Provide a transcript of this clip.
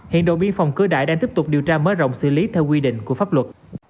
hiện đồn biên phòng cửa đại đang tiếp tục điều tra mở rộng xử lý theo quy định của pháp luật